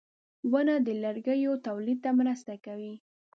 • ونه د لرګیو تولید ته مرسته کوي.